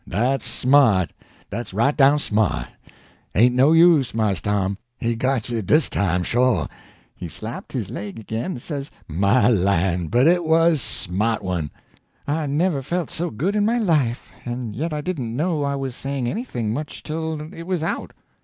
_ dat's smart, dat's right down smart. Ain't no use, Mars Tom; he got you dis time, sho'!" He slapped his leg again, and says, "My lan', but it was smart one!" I never felt so good in my life; and yet I didn't know I was saying anything much till it was out.